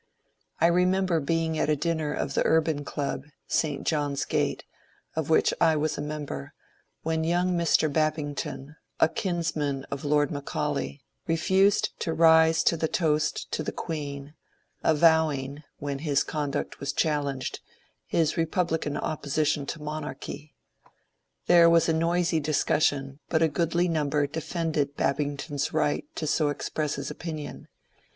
I remember being at a dinner of the Urban Club, St. John's Gate, of which I was a member, when young Mr. Babington, a kins man of Lord Maoaulay, refused to rise to the toast to the Queen, avowing, when his conduct was challenged, his repub lican opposition to monarchy. There was a noisy discussion, but a goodly number defended Babington's right to so ex press his opinion.